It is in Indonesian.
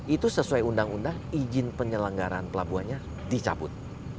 itu sesuai undang undang izin penyelenggaran pelabuhannya dicabut